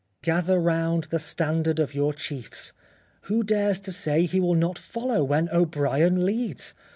" Gather round the standard of your chiefs. Who dares to say he will not follow, when O'Brien leads